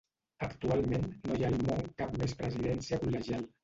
Actualment no hi ha al món cap més presidència col·legial.